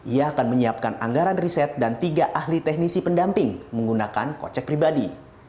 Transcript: ia akan menyiapkan anggaran riset dan tiga ahli teknisi pendamping menggunakan kocek pribadi